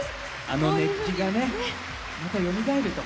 あの熱気がねまたよみがえると。